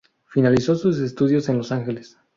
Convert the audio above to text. Finalizó sus estudios en Los Angeles.